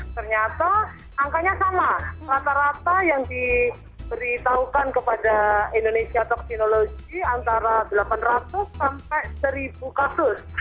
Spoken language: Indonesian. ternyata angkanya sama rata rata yang diberitahukan kepada indonesia toksinologi antara delapan ratus sampai seribu kasus